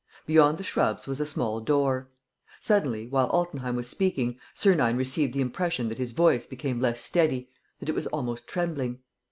Beyond the shrubs was a small door. Suddenly, while Altenheim was speaking, Sernine received the impression that his voice became less steady, that it was almost trembling.